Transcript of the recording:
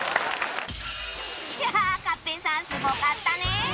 いやあ勝平さんすごかったね